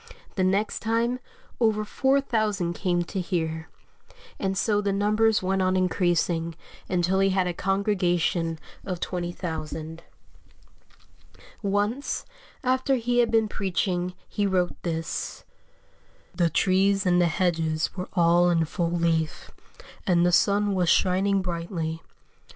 The next time over 4,000 came to hear; and so the numbers went on increasing until he had a congregation of 20,000. Once, after he had been preaching, he wrote this: "The trees and the hedges were all in full leaf, and the sun was shining brightly.